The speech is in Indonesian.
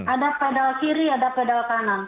ada pedal kiri ada pedal kanan